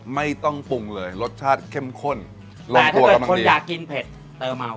ไม่ต้องปรุงเลยรสชาติเข้มข้นแต่ถ้าเป็นคนอยากกินเผ็ดเตอร์เมา